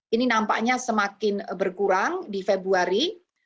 ini nampaknya semakin berkurang di februari